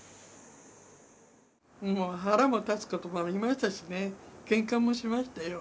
もう腹も立つこともありましたしね、けんかもしましたよ。